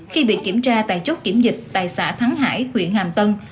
khi bị kiểm tra tại chốt kiểm dịch tại xã thắng hải huyện hàm tân